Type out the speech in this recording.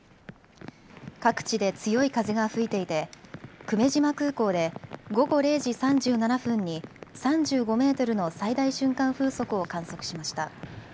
各地で強い風が吹いていて久米島空港で午後０時３７分に３５メートルの最大瞬間風速を観測しました。